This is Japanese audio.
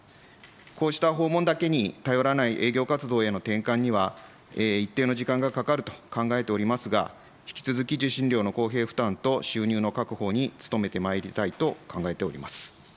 こうした訪問だけに頼らない営業活動への転換には、一定の時間がかかると考えておりますが、引き続き受信料の公平負担と収入の確保に努めてまいりたいと考えております。